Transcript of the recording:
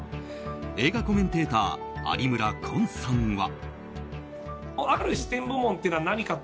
映画コメンテーター有村昆さんは。